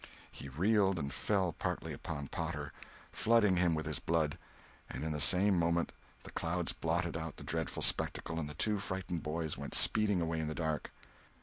He reeled and fell partly upon Potter, flooding him with his blood, and in the same moment the clouds blotted out the dreadful spectacle and the two frightened boys went speeding away in the dark.